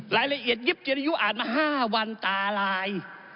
รายละเอียดยิบเจริยุอ่านมา๕วันตาลาย